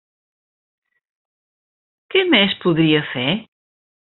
Què més podria fer?